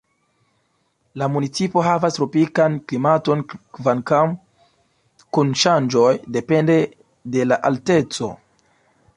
La municipo havas tropikan klimaton kvankam kun ŝanĝoj depende de la alteco.